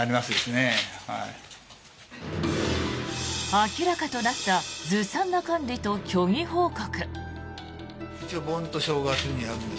明らかとなったずさんな管理と虚偽報告。